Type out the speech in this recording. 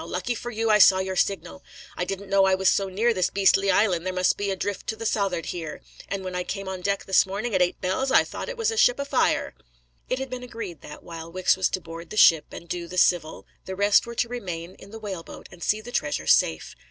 Lucky for you I saw your signal. I didn't know I was so near this beastly island, there must be a drift to the south'ard here; and when I came on deck this morning at eight bells, I thought it was a ship afire." It had been agreed that, while Wicks was to board the ship and do the civil, the rest were to remain in the whaleboat and see the treasure safe.